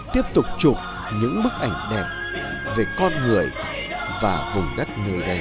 tiếp tục chụp những bức ảnh đẹp về con người và vùng đất nơi đây